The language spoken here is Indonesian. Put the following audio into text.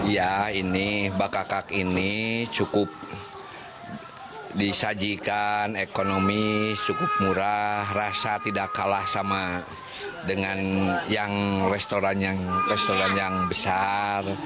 ya ini bakakak ini cukup disajikan ekonomi cukup murah rasa tidak kalah sama dengan yang restoran yang besar